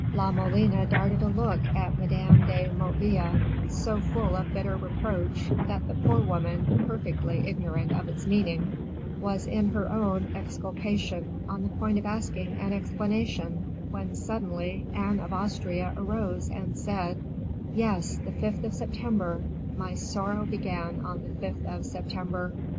La Molina darted a look at Madame de Motteville, so full of bitter reproach, that the poor woman, perfectly ignorant of its meaning, was in her own exculpation on the point of asking an explanation, when, suddenly, Anne of Austria arose and said, "Yes, the 5th of September; my sorrow began on the 5th of September.